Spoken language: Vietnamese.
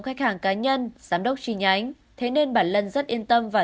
khách hàng cá nhân giám đốc tri nhánh thế nên bà lân rất yên tâm và